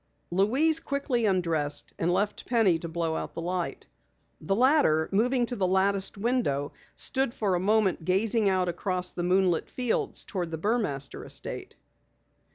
Louise quickly undressed and left Penny to blow out the light. The latter, moving to the latticed window, stood for a moment gazing out across the moonlit fields toward the Burmaster estate.